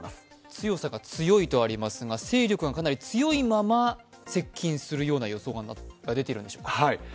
強さが強いとありますが、勢力がかなり強いまま接近する予想が出ているんでしょうか？